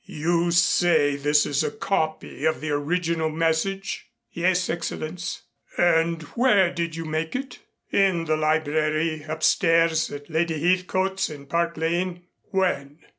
"You say this is a copy of the original message?" "Yes, Excellenz." "And where did you make it?" "In the library upstairs at Lady Heathcote's in Park Lane." "When?"